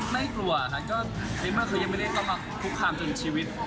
ไม่มีกลัวค่ะก็ไม่มากคือยังไม่ได้ต้องมาพุกความจนชีวิต